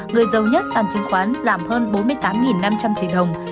người giàu nhất sàn chứng khoán giảm hơn bốn mươi tám năm trăm linh tỷ đồng